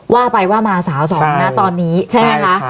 ว่าไปว่ามาสาวสองนะตอนนี้ใช่ไหมคะ